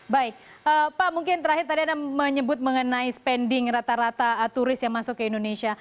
baik pak mungkin terakhir tadi anda menyebut mengenai spending rata rata turis yang masuk ke indonesia